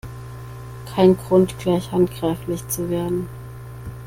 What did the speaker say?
Kein Grund, gleich handgreiflich zu werden!